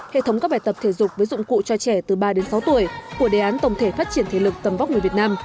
hệ thống các bài tập thể dục với dụng cụ cho trẻ từ ba đến sáu tuổi của đề án tổng thể phát triển thể lực tầm vóc người việt nam